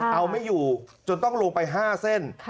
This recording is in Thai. เอาไม่อยู่จนต้องลงไป๕เส้น